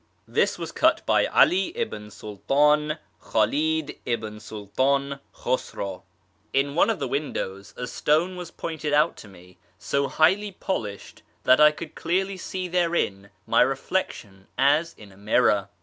This was cut by 'Ali ibn Sult; in Khali'd ibn Sultiin Khusraw. In one of the windows a stone was pointed out to me, so highly polished that I could clearly see therein my reflection as in a mirror.